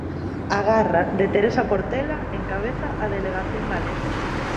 A garra de Teresa Portela encabeza a delegación galega.